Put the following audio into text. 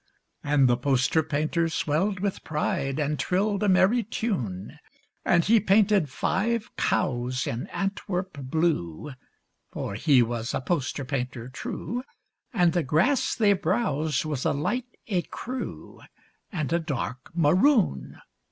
And the poster painter swelled with pride And trilled a merry tune. And he painted five cows in Antwerp blue (For he was a poster painter true), And the grass they browsed was a light écru And a dark maroon.